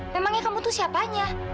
memangnya kamu tuh siapanya